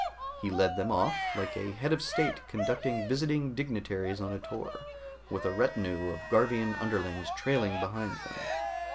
He led them off, like a head of state conducting visiting dignitaries on a tour, with a retinue of Garvian underlings trailing behind them.